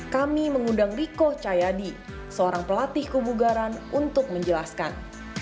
kami mengundang riko cayadi seorang pelatih kebugaran untuk menjelaskan